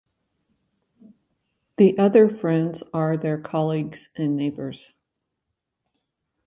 The other friends are their colleagues and neighbours.